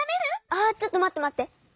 あちょっとまってまって。